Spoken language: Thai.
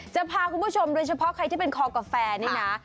จะพาคุณผู้ชมโดยเฉพาะใครที่เป็นคอกาแฟนี่นะ